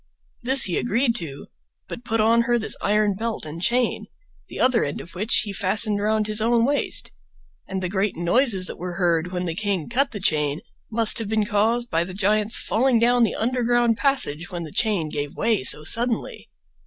This he agreed to, but put on her this iron belt and chain, the other end of which he fastened around his, own waist, and the great noises that were heard when the king cut the chain must have been caused by the giant's falling down the underground passage when the chain gave way so suddenly.